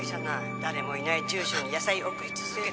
「誰もいない住所に野菜送り続けて」